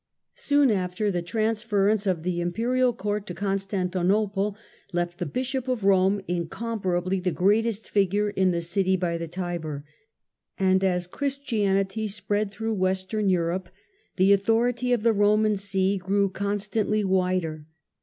Soon after, the transference of the Imperial Court to Con stantinople left the Bishop of Rome incomparably the greatest figure in the city by the Tiber. And as Christianity spread through Western Europe the authority of the Roman See grew constantly wider.